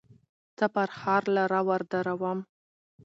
څه فرخار لره وردرومم